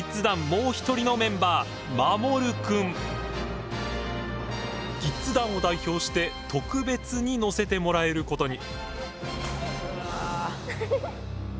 もう一人のメンバーキッズ団を代表して特別に乗せてもらえることに。